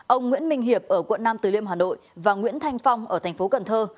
ông nguyễn minh hiệp ở quận nam từ liêm hà nội và nguyễn thanh phong ở thành phố cần thơ